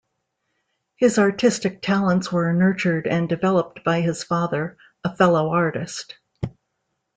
His artistic talents were nurtured and developed by his father, a fellow artist.